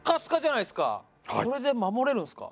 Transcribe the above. これこれで守れるんですか？